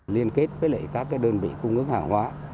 liên kết với các đơn vị cung ứng hàng hóa